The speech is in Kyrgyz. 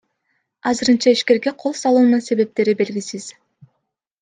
Азырынча ишкерге кол салуунун себептери белгисиз.